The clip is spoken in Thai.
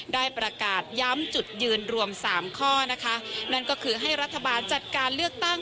ได้ประกาศย้ำจุดยืนรวมสามข้อนะคะนั่นก็คือให้รัฐบาลจัดการเลือกตั้ง